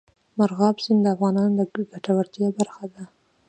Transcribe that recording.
مورغاب سیند د افغانانو د ګټورتیا برخه ده.